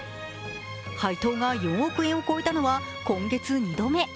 配当が４億円を超えたのは今月２度目。